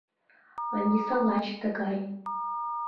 Ониса лач тыгай.